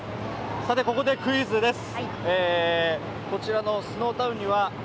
ここでクイズです。